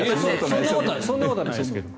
そんなことはないですけど。